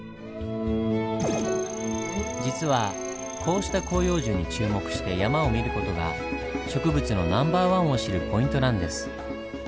実はこうした広葉樹に注目して山を見る事が植物のナンバーワンを知るポイントなんです。